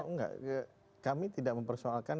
oh enggak kami tidak mempersoalkan